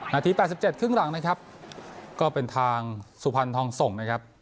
นาที๘๗ครึ่งหลังนะครับก็เป็นทางสุพรรณทองส่งนะครับ